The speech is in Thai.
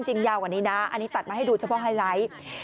ยาวกว่านี้นะอันนี้ตัดมาให้ดูเฉพาะไฮไลท์